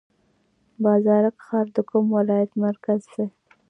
بازارک ښار د کوم ولایت مرکز دی؟